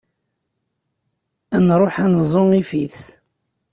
Ad nruḥ ad neẓẓu ifit.